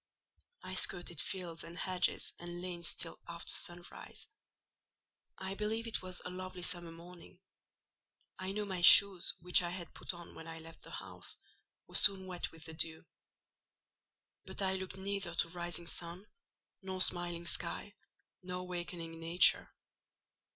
I skirted fields, and hedges, and lanes till after sunrise. I believe it was a lovely summer morning: I know my shoes, which I had put on when I left the house, were soon wet with dew. But I looked neither to rising sun, nor smiling sky, nor wakening nature.